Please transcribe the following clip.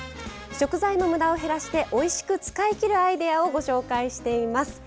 食材の無駄を減らしておいしく使い切るアイデアをご紹介しています。